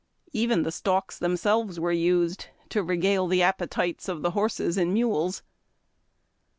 Even the stalks themselves were used, to regale the appetites of the horses and mules.